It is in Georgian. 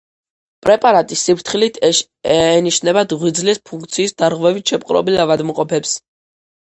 პრეპარატი სიფრთხილით ენიშნებათ ღვიძლის ფუნქციის დარღვევით შეპყრობილ ავადმყოფებს.